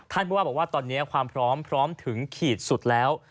ผู้ว่าบอกว่าตอนนี้ความพร้อมพร้อมถึงขีดสุดแล้ว